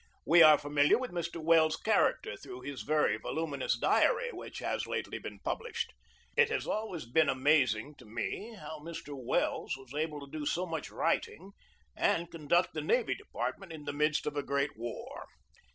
We are familiar with Mr. Welles's character through his very voluminous diary, which has lately been published. It has always been amazing to me how Mr. Welles was able to do so much writing and conduct the Navy Department in the midst of a great war.